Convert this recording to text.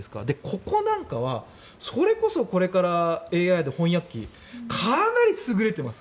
ここなんかはそれこそＡＩで翻訳機、かなり優れています。